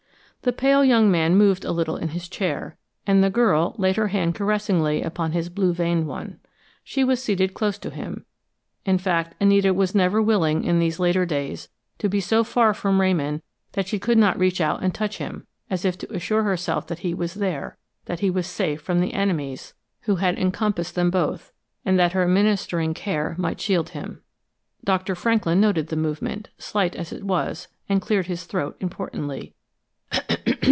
The pale young man moved a little in his chair, and the girl laid her hand caressingly upon his blue veined one. She was seated close to him in fact, Anita was never willing, in these later days, to be so far from Ramon that she could not reach out and touch him, as if to assure herself that he was there, that he was safe from the enemies who had encompassed them both, and that her ministering care might shield him. Doctor Franklin noted the movement, slight as it was, and cleared his throat, importantly.